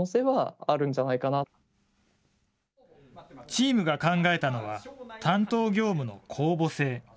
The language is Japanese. チームが考えたのは、担当業務の公募制。